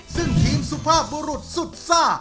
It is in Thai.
ซึ่งทีมสุภาพบุรุษสุดซ่า